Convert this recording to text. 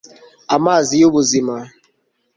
amazi y'ubuzima